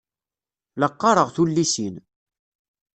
La qqareɣ tullisin.